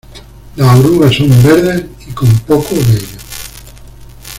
Las orugas son verdes y con poco vello.